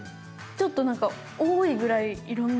ちょっと何か多いぐらいいろんな。